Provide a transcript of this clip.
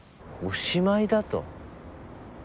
おしまいだと？